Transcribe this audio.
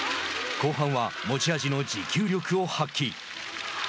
後半は持ち味の持久力を発揮。